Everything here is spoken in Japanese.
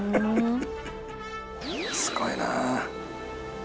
すごいな。